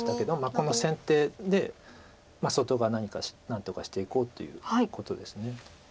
この先手で外側何とかしていこうということです。